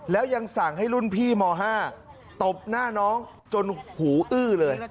แล้วยังสั่งให้รุ่นพี่ม๕ตบหน้าน้องจนหูอื้อเลย